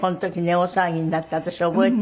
大騒ぎになって。